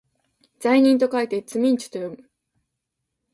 罪人と書いてつみんちゅと読む